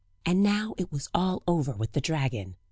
and now it was all over with the dragon.